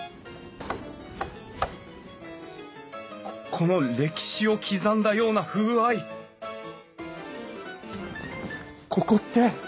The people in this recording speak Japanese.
この歴史を刻んだような風合いここって！